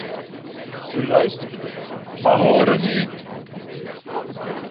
Ze luisteren, maar horen niet.